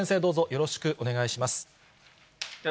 よろしくお願いします。